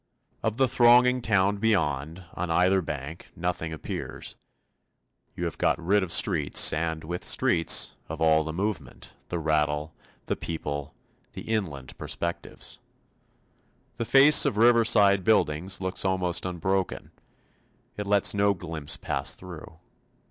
Of the thronging town beyond, on either bank, nothing appears; you have got rid of streets, and, with streets, of all the movement, the rattle, the people, the inland perspectives. The face of river side buildings looks almost unbroken; it lets no glimpse pass through.